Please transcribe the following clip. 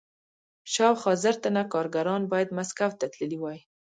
شاوخوا زر تنه کارګران باید مسکو ته تللي وای